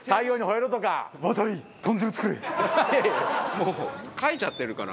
もう書いちゃってるから。